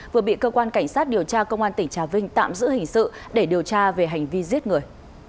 vừa bị cơ quan cảnh sát điều tra công an tỉnh trà vinh tạm giữ hình sự để điều tra về hành vi giết người